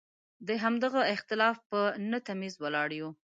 د همدغه اختلاف په نه تمیز ولاړ یو.